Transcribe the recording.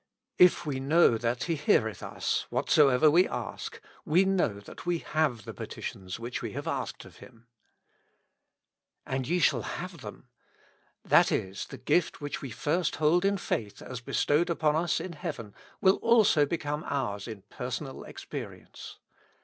" If we know that He heareth us, whatsoever we ask, we know that we have the petitions which we have asked of Him." ''Afidye shall have thein.^'' That is, the gift which we first hold in faith as bestowed upon us in heaven With Christ in the School of Prayer. will also become ours in personal experience.